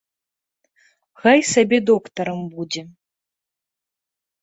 Хай сабе доктарам будзе.